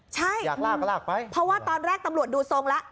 ใช่อยากลากลากไปเพราะว่าตอนแรกตำรวจดูทรงแล้ว